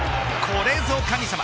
これぞ神様。